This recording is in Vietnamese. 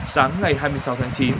sáng ngày hai mươi sáu tháng chín